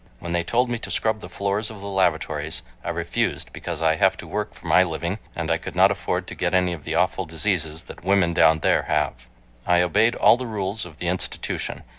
... When they told me to scrub the floors of the lavatories I refused, because I have to work for my living and I could not afford to get any of the awful diseases that women down there have. I obeyed all the rules of the institution.